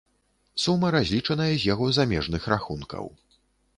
Сума разлічаная з яго замежных рахункаў.